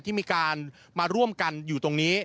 ที่มีการมาร่วมกันอยู่ตรงนี้